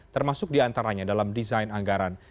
termasuk diantaranya dalam desain anggaran